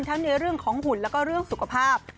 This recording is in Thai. ทั้งในเรื่องของหุ่นและของสุขภาพ